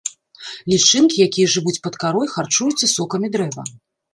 Лічынкі, якія жывуць пад карой, харчуюцца сокамі дрэва.